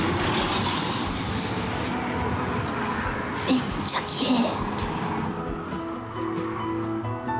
めっちゃきれい！